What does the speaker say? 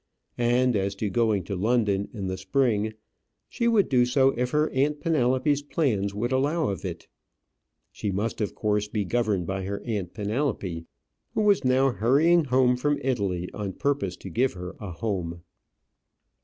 And as to going to London in the spring, she would do so if her aunt Penelope's plans would allow of it. She must of course be governed by her aunt Penelope, who was now hurrying home from Italy on purpose to give her a home.